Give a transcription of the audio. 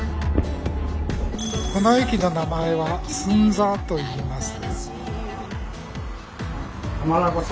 この駅の名前は「寸座」といいます。